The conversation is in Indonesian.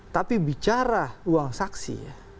tapi bicara uang saksi